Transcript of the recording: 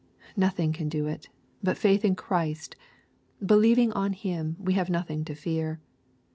Nothing can do it, but faith in Christ Believing on Him, we have nothing to fear.